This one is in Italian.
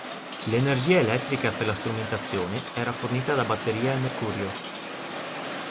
L'energia elettrica per la strumentazione era fornita da batterie al mercurio.